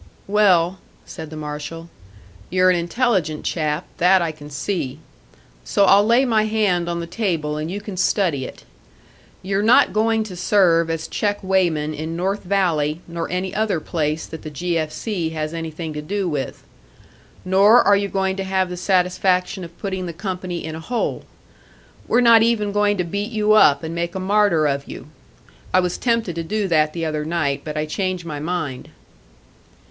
"Well," said the marshal, "you're an intelligent chap, that I can see. So I'll lay my hand on the table and you can study it. You're not going to serve as check weighman in North Valley, nor any other place that the 'G. F. C.' has anything to do with. Nor are you going to have the satisfaction of putting the company in a hole. We're not even going to beat you up and make a martyr of you. I was tempted to do that the other night, but I changed my mind."